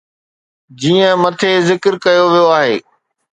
جيئن مٿي ذڪر ڪيو ويو آهي.